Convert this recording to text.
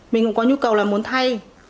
mình cũng có nhu cầu là muốn thay